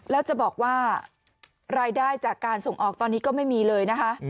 แล้วจะบอกว่ารายได้จากการส่งออกตอนนี้ก็ไม่มีเลยนะคะ